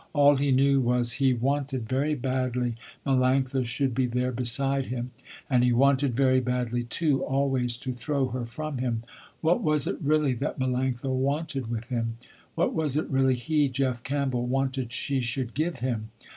All he knew was he wanted very badly Melanctha should be there beside him, and he wanted very badly, too, always to throw her from him. What was it really that Melanctha wanted with him? What was it really, he, Jeff Campbell, wanted she should give him?